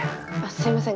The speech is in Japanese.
すいません。